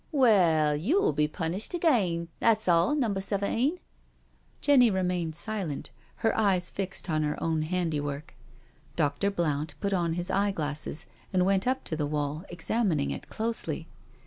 " Well, you'll be punished again, that's all. Number Seventeen." Jenny remained silent, her eyes fixed on her own handiwork. Dr. Blount put on his eye glasses and went up to the wall, examining it closely.